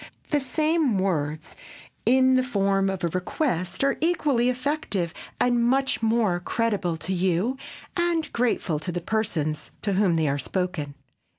The same words put in the form of a request are equally effective and are much more creditable to you and grateful to the persons to whom they are spoken.